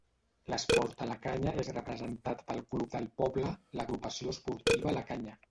L'esport a la Canya és representat pel club del poble, l'Agrupació Esportiva La Canya.